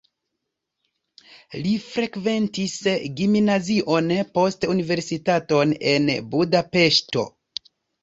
Li frekventis gimnazion, poste universitaton en Budapeŝto.